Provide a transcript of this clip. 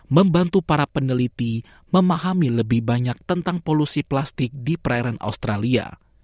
membantu para peneliti memahami lebih banyak tentang polusi plastik di perairan australia